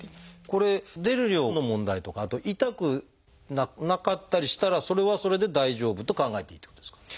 これ出る量の問題とかあと痛くなかったりしたらそれはそれで大丈夫と考えていいってことですか？